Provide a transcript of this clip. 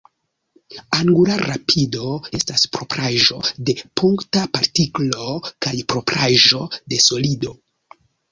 Angula rapido estas propraĵo de punkta partiklo kaj propraĵo de solido.